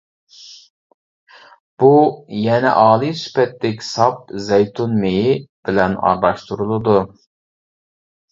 بۇ يەنە ئالىي سۈپەتلىك ساپ زەيتۇن مېيى بىلەن ئارىلاشتۇرۇلىدۇ.